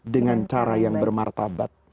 dengan cara yang bermartabat